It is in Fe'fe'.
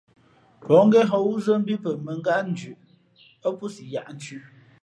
Pα̌h ngén hᾱ wúzά mbí pαmάngátnzhʉꞌ ά pō si yāʼnthʉ̄.